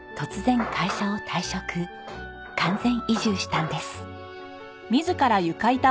完全移住したんです。